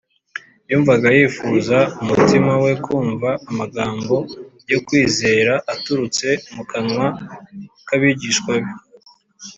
yumvaga yifuza mu mutima we kumva amagambo yo kwizera aturutse mu kanwa k’abigishwa be